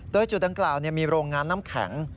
โดยจุดดังกล่าวมีโรงงานน้ำแข็ง